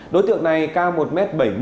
đối tượng này cao một m bảy mươi